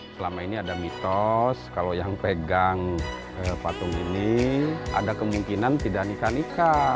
selama ini ada mitos kalau yang pegang patung ini ada kemungkinan tidak nikah nikah